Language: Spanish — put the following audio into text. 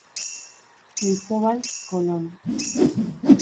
Cristóbal Colón".